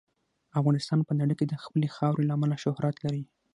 افغانستان په نړۍ کې د خپلې خاورې له امله شهرت لري.